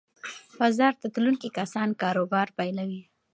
بازار ته تلونکي کسان کاروبار پیلوي.